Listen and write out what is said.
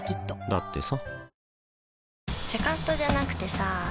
だってさ